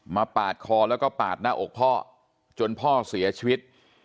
ปาดคอแล้วก็ปาดหน้าอกพ่อจนพ่อเสียชีวิต